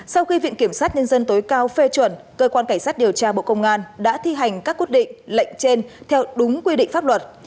sau khi viện kiểm sát nhân dân tối cao phê chuẩn cơ quan cảnh sát điều tra bộ công an đã thi hành các quyết định lệnh trên theo đúng quy định pháp luật